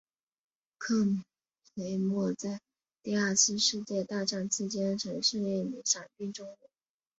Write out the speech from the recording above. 克雷默在第二次世界大战期间曾是一名伞兵中尉。